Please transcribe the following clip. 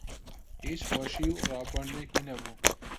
هیچ خۆشی و ڕابواردنێکی نەبوو